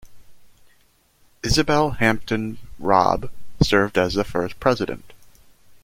Isabel Hampton Robb served as the first president.